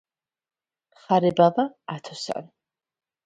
ხარებავა ათოსანი